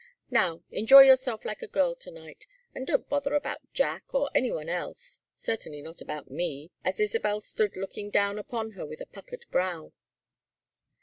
Now, enjoy yourself like a girl to night and don't bother about Jack or any one else certainly not about me," as Isabel stood looking down upon her with a puckered brow.